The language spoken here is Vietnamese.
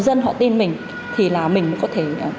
dân họ tin mình thì là mình có thể